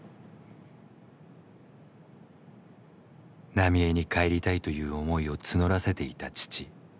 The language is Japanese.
浪江に帰りたいという思いを募らせていた父。